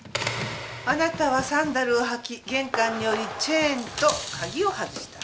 あなたはサンダルを履き玄関に下りチェーンと鍵を外した。